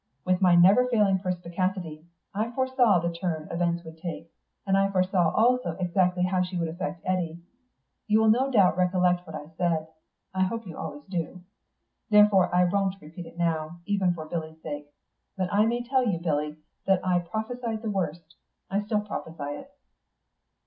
With my never failing perspicacity, I foresaw the turn events would take, and I foresaw also exactly how she would affect Eddy. You will no doubt recollect what I said (I hope you always do); therefore I won't repeat it now, even for Billy's sake. But I may tell you, Billy, that I prophesied the worst. I still prophesy it."